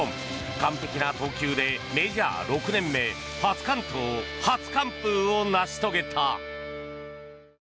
完璧な投球でメジャー６年目初完投・初完封を成し遂げた。